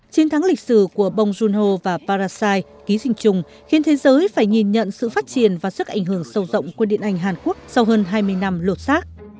chiến thắng lịch sử của bông jun ho và parasite ký sinh trùng khiến thế giới phải nhìn nhận sự phát triển và sức ảnh hưởng sâu rộng của điện ảnh hàn quốc sau hơn hai mươi năm lột xác